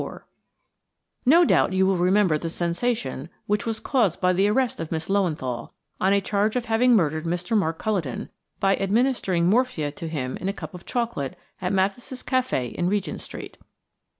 4 NO doubt you will remember the sensation which was caused by the arrest of Miss Löwenthal, on a charge of having murdered Mr. Mark Culledon, by administering morphia to him in a cup of chocolate at Mathis' café in Regent Street.